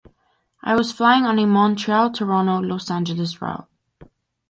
It was flying on a Montreal-Toronto-Los Angeles route.